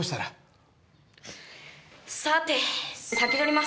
さて。